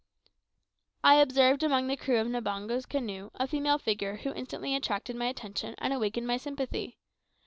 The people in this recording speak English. I observed among the crew of Mbango's canoe a female figure who instantly attracted my attention and awakened my sympathy.